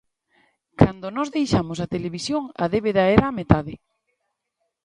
Cando nós deixamos a televisión, a débeda era a metade.